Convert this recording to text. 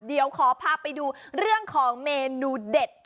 เดี๋ยวขอพาไปดูเรื่องของเมนูเด็ด